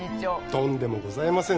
とんでもございません